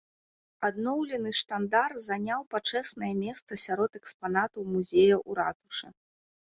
Адноўлены штандар заняў пачэснае месца сярод экспанатаў музея ў ратушы.